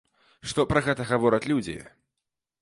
Што пра гэта гавораць людзі?